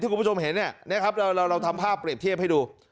ที่คุณผู้ชมเห็นเนี่ยเนี่ยครับเราเราเราทำภาพเปรียบเทียบให้ดู